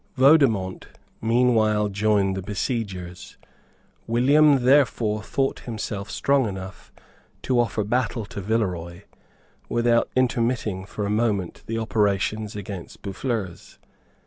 Vaudemont meanwhile joined the besiegers. William therefore thought himself strong enough to offer battle to Villeroy, without intermitting for a moment the operations against Boufflers.